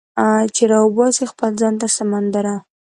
چې راوباسي خپل ځان تر سمندره